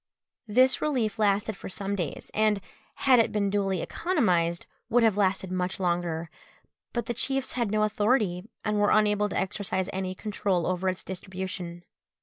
_ This relief lasted for some days, and, had it been duly economised, would have lasted much longer; but the chiefs had no authority, and were unable to exercise any control over its distribution.